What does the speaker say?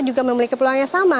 juga memiliki peluang yang sama